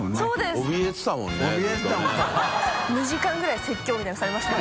２時間ぐらい説教みたいなのされました。